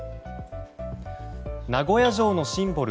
名古屋城のシンボル